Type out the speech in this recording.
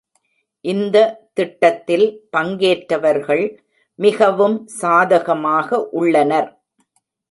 இந்த திட்டத்தில் பங்கேற்றவர்கள் மிகவும் சாதகமாக உள்ளனர்.